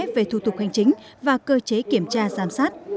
về thủ tục hành chính và cơ chế kiểm tra giám sát